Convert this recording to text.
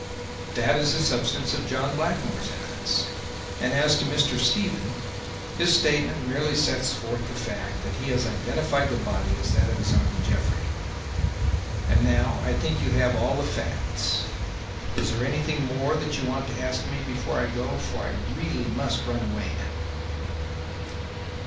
"That is the substance of John Blackmore's evidence, and, as to Mr. Stephen, his statement merely sets forth the fact that he had identified the body as that of his uncle Jeffrey. And now I think you have all the facts. Is there anything more that you want to ask me before I go, for I must really run away now?"